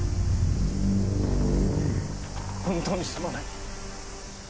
本当にすまない。